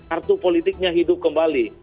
artu politiknya hidup kembali